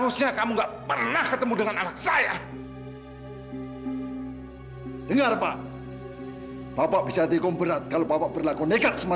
sampai jumpa di video selanjutnya